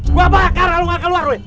gua bakar lalu gak keluar gue